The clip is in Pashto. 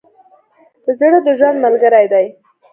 زړه د ژوند ملګری دی.